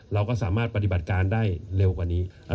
เราก็สามารถปฏิบัติการได้เร็วกว่านี้